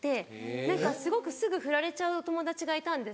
何かすごくすぐふられちゃう友達がいたんですけど。